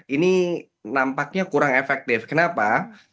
ini nampaknya kurang efektif kenapa